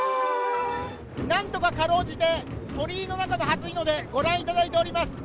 何とかかろうじて、鳥居の中の初日の出、ご覧いただいております。